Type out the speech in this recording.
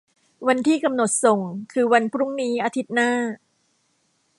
วันที่กำหนดส่งคือวันพรุ่งนี้อาทิตย์หน้า